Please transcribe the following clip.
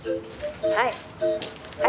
はい。